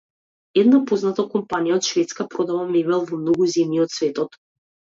Една позната компанија од Шведска продава мебел во многу земји од светот.